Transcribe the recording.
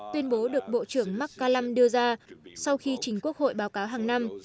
tuyên bố được bộ trưởng mccallum đưa ra sau khi chính quốc hội báo cáo hàng năm